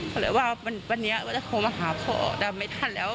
เขาเลยว่าวันนี้ก็จะโทรมาหาพ่อดำไม่ทันแล้ว